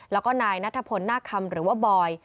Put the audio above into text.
แล้วก็นายนัทพลนาคคำหรือว่าบอย